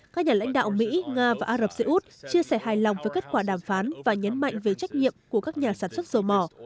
các nhà lãnh đạo mỹ nga và ả rập xê út chia sẻ hài lòng với kết quả đàm phán và nhấn mạnh về trách nhiệm của các nhà sản xuất dầu mỏ